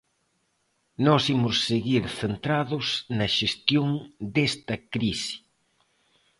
Nós imos seguir centrados na xestión desta crise.